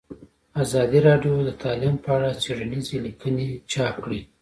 ازادي راډیو د تعلیم په اړه څېړنیزې لیکنې چاپ کړي.